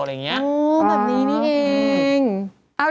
โอ้แบบนี้นี่เอง